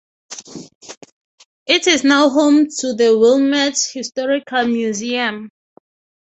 It is now home to the Wilmette Historical Museum.